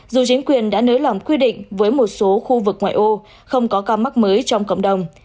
dù chính quyền đã nới lỏng quy định với một số khu vực ngoại ô không có ca mắc mới trong cộng đồng